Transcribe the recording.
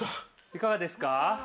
いかがですか。